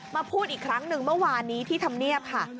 มาพูดอีกครั้งท่ามเมื่อวานที่ทำเงียบค่ะ